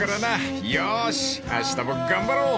［よしあしたも頑張ろう］